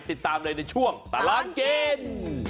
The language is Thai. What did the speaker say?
ติดตามเลยในช่วงตลอดกิน